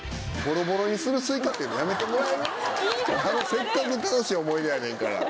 せっかく楽しい思い出やねんから。